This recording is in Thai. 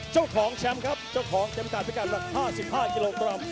เจ้าของแชมป์ครับเจ้าของเข็มตาพิกัดหลัก๕๕กิโลกรัม